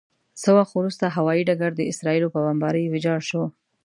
څه وخت وروسته هوايي ډګر د اسرائیلو په بمبارۍ ویجاړ شو.